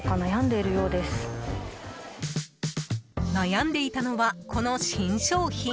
悩んでいたのは、この新商品。